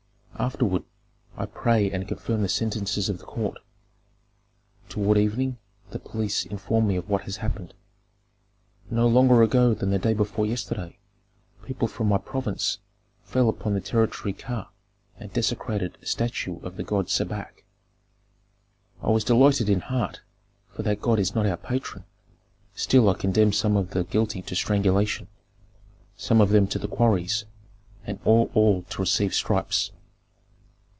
Afterward I pray and confirm the sentences of the court; toward evening the police inform me of what has happened. No longer ago than the day before yesterday people from my province fell upon the territory Ka and desecrated a statue of the god Sebak. I was delighted in heart, for that god is not our patron; still I condemned some of the guilty to strangulation, some of them to the quarries, and all to receive stripes.